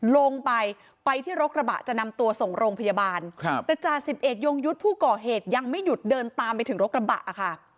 ลงไปไปที่รถกระบะจะนำตัวส่งโรงพยาบาลครับแต่จ่าสิบเอกยงยุทธ์ผู้ก่อเหตุยังไม่หยุดเดินตามไปถึงรถกระบะค่ะ